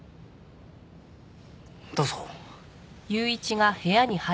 どうぞ。